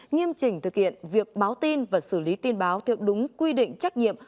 nghiêm chỉnh thực hiện việc báo tin và xử lý tin báo theo đúng quy định trách nhiệm